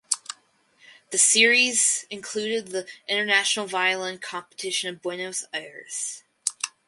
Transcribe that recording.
The series included the International Violin Competition of Buenos Aires.